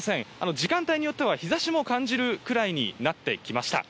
時間帯によっては日差しも感じるくらいになってきました。